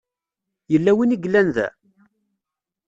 Yella win i yellan da?